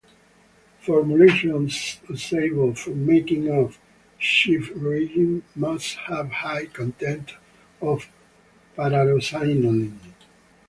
Formulations usable for making of Schiff reagent must have high content of pararosanilin.